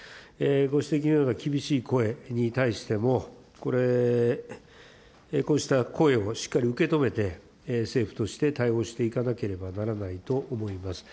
ご指摘のような厳しい声に対しても、これ、こうした声をしっかり受け止めて、政府として対応していかなければならないと思います。